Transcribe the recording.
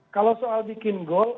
kalau soal bikin gol